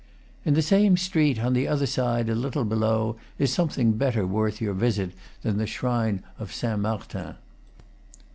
In the same street, on the other side, a little below, is something better worth your visit than the shrine of Saint Martin.